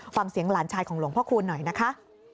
ฟังเสียงหลานชายของหลวงพ่อคูณหน่อยนะคะ